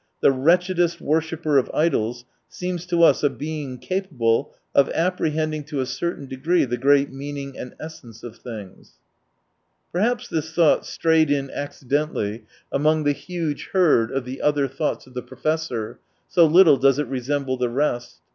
. the wretchedest worshipper of idols seems to us a being capable of apprehending to a certain degree the great meaning and essence of things," Perhaps this th<Aight strayed in accidentally 122 among the huge herd of the other thoughts of the professor, so little does it resemble the rest.